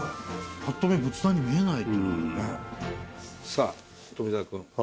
ぱっと見仏壇に見えない。